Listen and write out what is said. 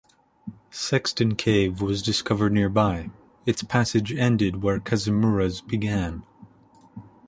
Sexton Cave was discovered nearby; its passage ended where Kazumura's began.